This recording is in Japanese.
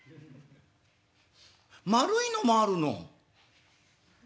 丸いのもあるの。